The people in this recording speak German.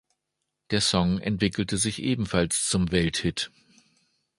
Der Song entwickelte sich ebenfalls zum Welthit.